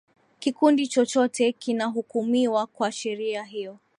kikundi chochote kinahukumiwa kwa sheria hiyo